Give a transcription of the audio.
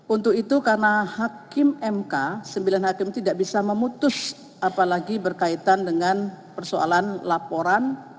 untuk itu karena hakim mk sembilan hakim tidak bisa memutus apalagi berkaitan dengan persoalan laporan